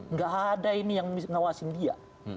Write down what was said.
nggak ada ini yang ngawasin dia